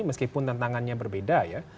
meskipun tantangannya berbeda ya